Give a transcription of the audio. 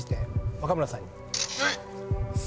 ［若村さん